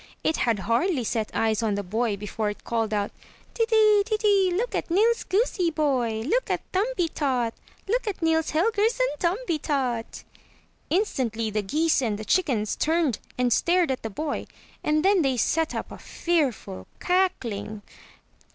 It had hardly set eyes on the boy before it called out: Teetee ! Teetee ! Look at Nils goosey boy ! Look at Thumbie tot! Look at Nils Helgersson Thumbietot!" Instantly the geese and the chickens turned and stared at the boy; and then they set up a fearful cackling.